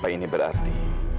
apa ini berarti